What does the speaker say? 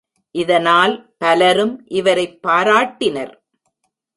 இதனால் பலரும் இவரைப் பாராட்டினர்.